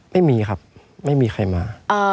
ไม่มีครับไม่มีใครมา